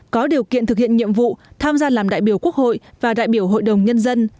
có điều kiện thực hiện nhiệm vụ tham gia làm đại biểu quốc hội và đại biểu hội đồng nhân dân